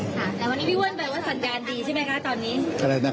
แต่พี่ว่นแบบว่าสัญญาณดีใช่ไหมคะตอนนี้